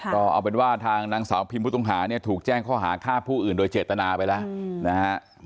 ก็เอาเป็นว่าทางนางสาวพิมผู้ต้องหาเนี่ยถูกแจ้งข้อหาฆ่าผู้อื่นโดยเจตนาไปแล้วนะฮะ